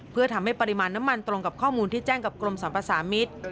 เพื่อทำให้ปริมาณน้ำมันตรงกับข้อมูลที่แจ้งกับกรมสรรพสามิตร